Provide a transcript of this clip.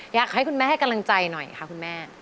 อยากให้คุณแม่ให้กำลังใจหน่อยค่ะคุณแม่